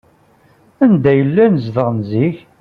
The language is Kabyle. Anda ay llan zedɣen zik?